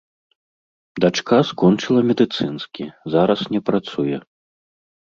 Дачка скончыла медыцынскі, зараз не працуе.